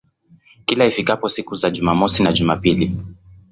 Kila ifikapo siku za Jumamosi na Jumapili